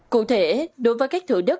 cụ thể đối với các thủ đất